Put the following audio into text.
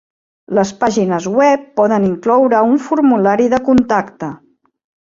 Les pàgines web poden incloure un formulari de contacte.